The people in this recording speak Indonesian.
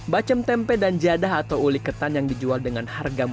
bacem tempe dan jadah atau uli ketan yang dijual dengan harga murah